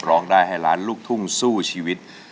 ร้องได้ให้ล้านลูกทุ่งสู้ชีวิต